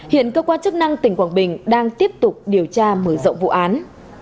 hiện cơ quan chức năng tỉnh quảng bình đang tiếp tục điều tra mở rộng vụ án